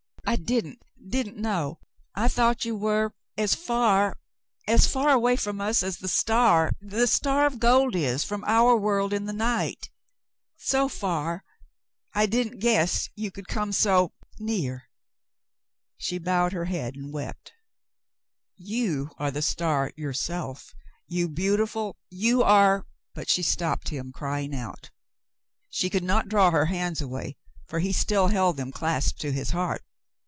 "I didn't — didn't know; I thought you were — as far — as far away from us as the star — the star of gold is — from our world in the night — so far — I didn't guess — you could come so — near." She bowed her head and wept. "You are the star yourself, you beautiful — you are —" But she stopped him, crying out. She could not draw her hands away, for he still held them clasped to his heart.